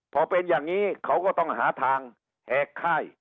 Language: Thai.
พอเป็นอย่างนี้เขาก็ต้องหาทางแหกค่าย